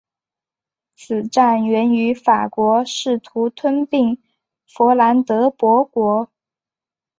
此战源于法国试图吞并弗兰德伯国。